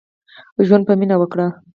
ژوند په مينه وکړئ.